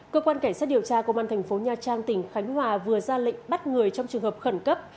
cơ quan cảnh sát điều tra công an thành phố nha trang tỉnh khánh hòa vừa ra lệnh bắt người trong trường hợp khẩn cấp